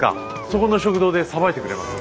そこの食堂でさばいてくれます。